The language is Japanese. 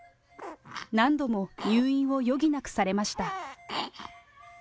何度も入院を余儀なくされました。